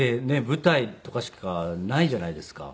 舞台とかしかないじゃないですか。